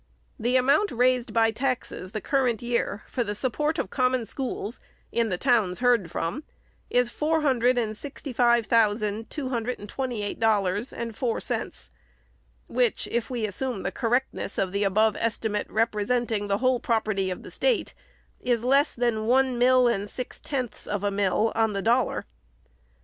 The amount raised by taxes tlie current year, for the support of Common Schools, in the towns heard from, is four hundred and sixty five thou sand two hundred and twenty eight dollars and four cents, which, if we assume the correctness of the above estimate respecting the whole property in the State, is less than one mill and six tenths of a mill on the dollar.